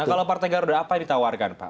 nah kalau partai garuda apa yang ditawarkan pak